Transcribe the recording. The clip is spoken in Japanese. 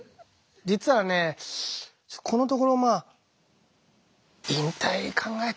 実はねこのところまあ引退考えてんのよね。